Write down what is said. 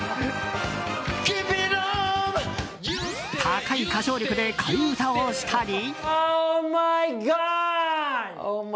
高い歌唱力で替え歌をしたり。